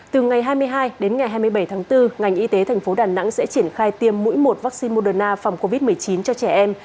từ ngày hai mươi hai đến ngày hai mươi bảy tháng bốn ngành y tế thành phố đà nẵng sẽ triển khai tiêm mũi một vaccine moderna phòng covid một mươi chín cho trẻ em